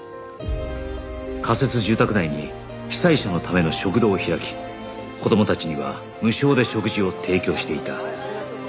仮設住宅内に被災者のための食堂を開き子供たちには無償で食事を提供していた